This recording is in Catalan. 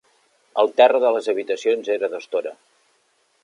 El terra de les habitacions era d'estora.